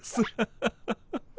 ハハハハ。